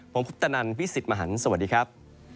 ผมคุปตนันพี่สิทธิ์มหันฯสวัสดีครับ